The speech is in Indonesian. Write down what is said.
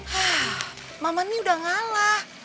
hah maman ini udah ngalah